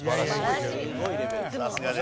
さすがです。